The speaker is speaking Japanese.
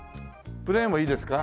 プレーンをいいですか？